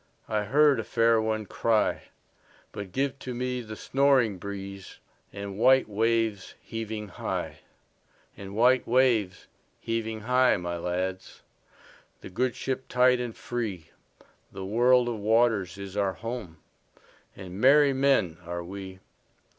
I heard a fair one cry:But give to me the snoring breezeAnd white waves heaving high; And white waves heaving high, my lads, The good ship tight and free—The world of waters is our home, And merry men are we.